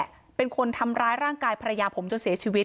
เพราะว่าพ่อผมนี่แหละเป็นคนทำร้ายร่างกายภรรยาผมจนเสียชีวิต